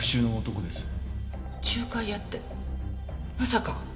仲介屋ってまさか。